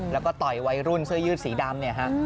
แล้วก็ต่อยวัยรุ่นเสื้อยืดสีดำเนี่ยฮะ